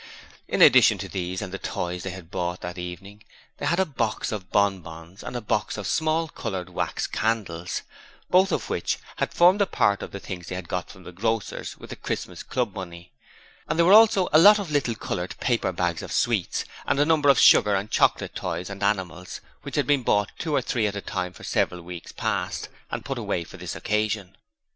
In addition to these and the toys they had bought that evening they had a box of bon bons and a box of small coloured wax candles, both of which had formed part of the things they got from the grocer's with the Christmas Club money; and there were also a lot of little coloured paper bags of sweets, and a number of sugar and chocolate toys and animals which had been bought two or three at a time for several weeks past and put away for this occasion.